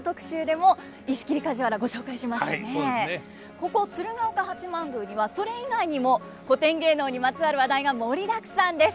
ここ鶴岡八幡宮にはそれ以外にも古典芸能にまつわる話題が盛りだくさんです。